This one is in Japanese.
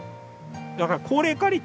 だから高齢化率